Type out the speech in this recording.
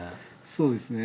そうですね。